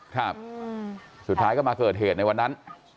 ครับสุดท้ายก็มาเกิดเหตุในวันนั้น